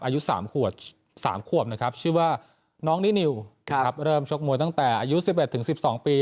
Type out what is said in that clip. อายุ๓ขวบชื่อว่าน้องนี่นิวเริ่มชกมวยตั้งแต่อายุ๑๑๑๒ปี